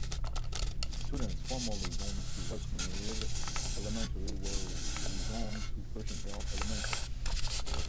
Students formerly zoned to West Meade Elementary were rezoned to Pershing Hill Elementary.